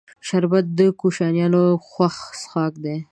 شربت د کوشنیانو خوښ څښاک دی